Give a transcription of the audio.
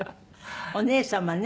お姉様ね。